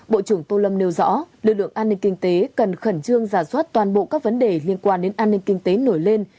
bộ trưởng tô lâm nêu rõ lực lượng an ninh kinh tế cần khẩn trương giả soát toàn bộ các vấn đề liên quan đến an ninh kinh tế nổi lên